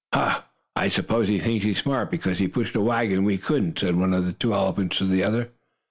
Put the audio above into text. "Huh! I s'pose he thinks he's smart, because he pushed a wagon we couldn't," said one of the two elephants to the other.